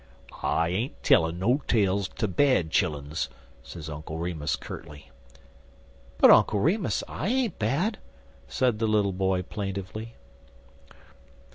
"I ain't tellin' no tales ter bad chilluns," said Uncle Remus curtly. "But, Uncle Remus, I ain't bad," said the little boy plaintively.